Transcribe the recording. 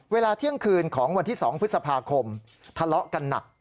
เที่ยงคืนของวันที่๒พฤษภาคมทะเลาะกันหนัก